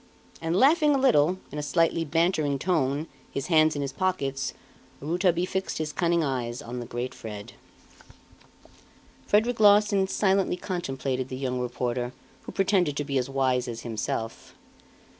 And laughing a little, in a slightly bantering tone, his hands in his pockets, Rouletabille fixed his cunning eyes on the great Fred. Frederic Larsan silently contemplated the young reporter who pretended to be as wise as himself.